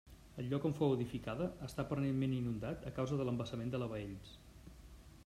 El lloc on fou edificada, està permanentment inundat a causa de l'embassament de la Baells.